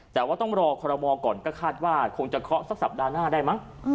แต่ว่าต้องรอคอรมอก่อนก็คาดว่าคงจะเคาะสักสัปดาห์หน้าได้มั้ง